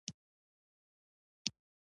د کلي تر زیاتو کورنیو شتمنه او بډایه وه.